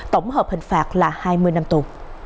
tổng hợp hình phạt là hai mươi năm tù